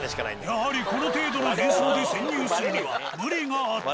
やはりこの程度の変装で潜入するには無理があった。